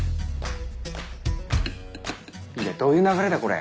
いやどういう流れだこれ。